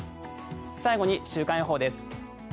最後に週間予報です。